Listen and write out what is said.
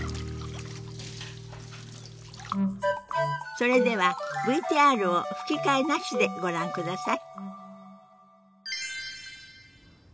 それではＶＴＲを吹き替えなしでご覧ください。